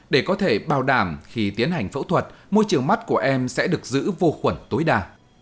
để có thể bảo đảm khi tiến hành phẫu thuật môi trường mắt của em sẽ được giữ vô khuẩn tối đa